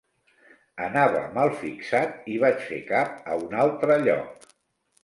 Anava malfixat i vaig fer cap a un altre lloc.